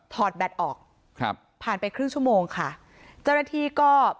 แบตออกครับผ่านไปครึ่งชั่วโมงค่ะเจ้าหน้าที่ก็